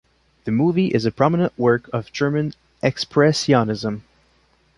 The movie is a prominent work of German expressionism.